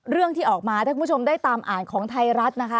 เรื่องที่ออกมาถ้าคุณผู้ชมได้ตามอ่านของไทยรัฐนะคะ